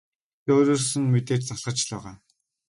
Гэхдээ өөрөөс нь мэдээж залхаж л байгаа.